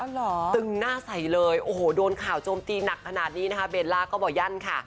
ตึงหน้าใส่เลยโอ้โหโดนข่าวโจมตีหนักขนาดนี้นะคะเบลล่าก็บ่อยั่นค่ะ